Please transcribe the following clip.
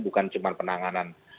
bukan cuman penanganan